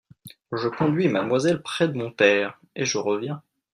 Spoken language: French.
Je conduis mademoiselle près de mon père, et je reviens.